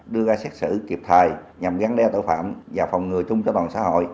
đưa ra xét xử kịp thài nhằm gắn đeo tội phạm và phòng ngừa chung cho toàn xã hội